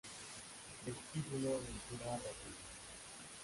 Vestíbulo Ventura Rodríguez